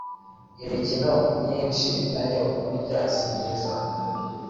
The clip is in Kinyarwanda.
Imikino myisnhi nayo buryaa simyiza